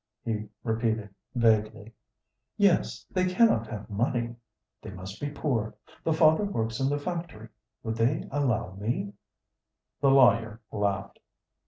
he repeated, vaguely. "Yes; they cannot have money. They must be poor: the father works in the factory. Would they allow me " The lawyer laughed.